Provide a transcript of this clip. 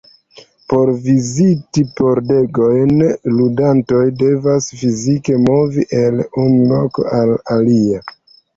Por viziti pordegojn, ludantoj devas fizike movi el unu loko al alia.